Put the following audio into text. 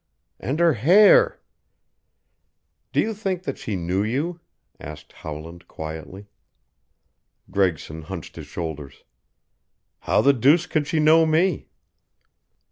And her hair " "Do you think that she knew you?" asked Howland quietly. Gregson hunched his shoulders. "How the deuce could she know me?"